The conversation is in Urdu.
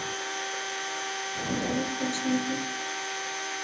ذرا سوچنے کی۔